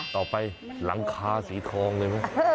ต่อไปหลังคาสีทองเลยมั้ย